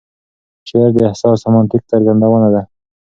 شعر د احساس او منطق څرګندونه ده.